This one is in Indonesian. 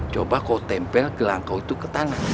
coba kau tempel gelang kau itu ke tangan